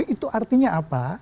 itu artinya apa